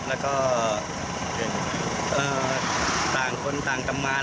แล้วก็ต่างคนต่างทำงาน